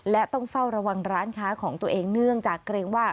และต้องเฝ้าระวังร้านค้าของตัวเองเนื่องจากเกรงว่า